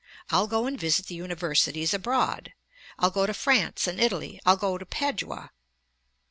I'll go and visit the Universities abroad. I'll go to France and Italy. I'll go to Padua.'